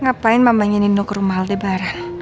ngapain mama ingin nino ke rumah halde baran